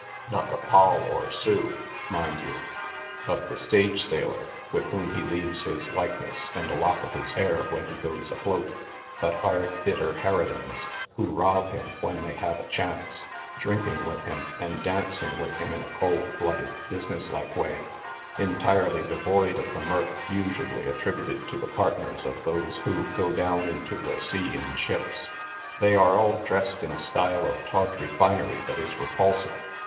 Not the n Poll," or " Sue," mind you, of the stage sailor, with whom he leaves his like ness and a lock of his hair when he goes afloat, but hard, bitter har ridans, who rob him when they have a chance, drinking with him and dancing with him in a cold blooded, business like way, entirely devoid of the mirth usually attributed to the partners of those who " go down into the sea in ships." They are all dressed in a style of tawdry finery that is repulsive.